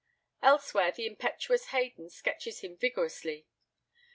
Elsewhere the impetuous Haydon sketches him vigorously.